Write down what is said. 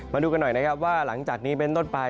มาดูกันหน่อยนะครับว่าหลังจากนี้เป็นต้นไป